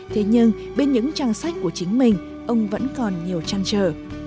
thế nhưng bên những trang sách của chính mình ông vẫn còn nhiều chăn trở